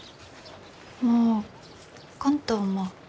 もう来んと思う。